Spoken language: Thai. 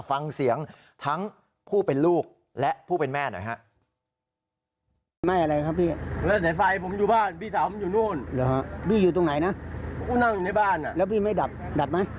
ฟังเสียงทั้งผู้เป็นลูกและผู้เป็นแม่หน่อยฮะ